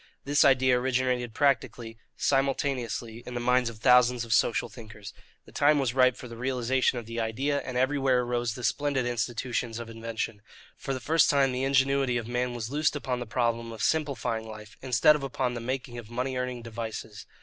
This idea originated practically simultaneously in the minds of thousands of social thinkers. The time was ripe for the realization of the idea, and everywhere arose the splendid institutions of invention. For the first time the ingenuity of man was loosed upon the problem of simplifying life, instead of upon the making of money earning devices.